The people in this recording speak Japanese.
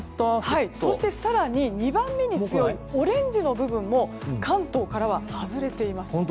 そして、更に２番目に強いオレンジの部分も関東からは外れています。